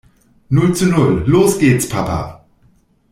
Null zu null. Los geht's Papa!